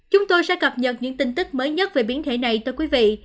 chúng tôi sẽ cập nhật những tin tức mới nhất về biến thể này tới quý vị